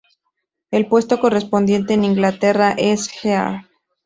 El puesto correspondiente en Inglaterra es Earl.